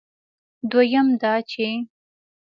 دویم دا چې